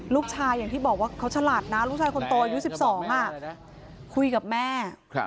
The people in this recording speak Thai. อย่างที่บอกว่าเขาฉลาดนะลูกชายคนโตอายุ๑๒คุยกับแม่